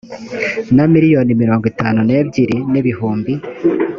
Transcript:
na miliyoni mirongo itanu n’ebyiri n’ibihumbi